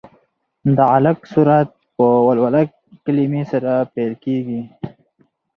د علق سورت په ولوله کلمې سره پیل کېږي.